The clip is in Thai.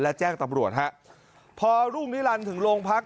และแจ้งตำรวจฮะพอรุ่งนิรันดิ์ถึงโรงพัก